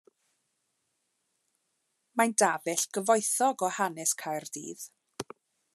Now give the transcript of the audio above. Mae'n dafell gyfoethog o hanes Caerdydd.